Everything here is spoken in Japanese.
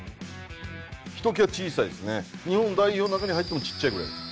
ひときわ小さいですね日本代表の中に入ってもちっちゃいぐらい。